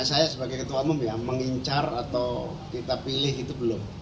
saya sebagai ketua umum ya mengincar atau kita pilih itu belum